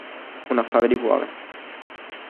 Un affare di cuore